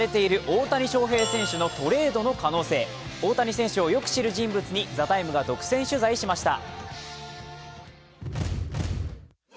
大谷選手をよく知る人物に「ＴＨＥＴＩＭＥ，」が独占取材しました。